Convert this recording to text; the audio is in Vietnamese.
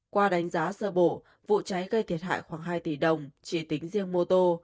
qua đánh giá sơ bộ vụ cháy gây thiệt hại khoảng hai tỷ đồng chỉ tính riêng mô tô